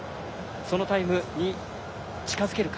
そのタイムに近づけるか。